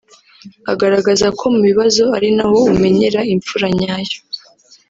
Agaragaza ko mu bibazo ari naho umenyera imfura nyayo